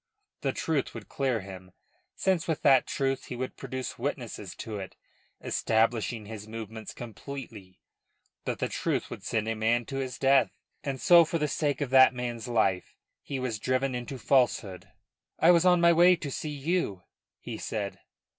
The truth would clear him since with that truth he would produce witnesses to it, establishing his movements completely. But the truth would send a man to his death; and so for the sake of that man's life he was driven into falsehood. "I was on my way to see you," he said.